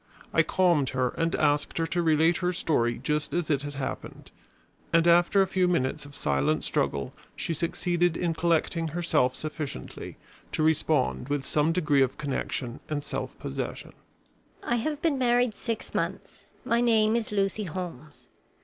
I calmed her and asked her to relate her story just as it had happened; and after a few minutes of silent struggle she succeeded in collecting herself sufficiently to respond with some degree of connection and self possession. "I have been married six months. My name is Lucy Holmes.